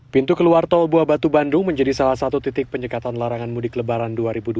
pintu keluar tol buah batu bandung menjadi salah satu titik penyekatan larangan mudik lebaran dua ribu dua puluh